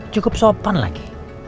cukup sopan lagi